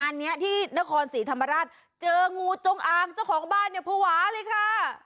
อันนี้ที่นครศรีธรรมราชเจองูจงอางเจ้าของบ้านเนี่ยภาวะเลยค่ะ